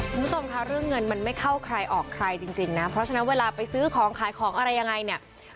คุณผู้ชมค่ะเรื่องเงินมันไม่เข้าใครออกใครจริงนะเพราะฉะนั้นเวลาไปซื้อของขายของอะไรยังไงเนี่ย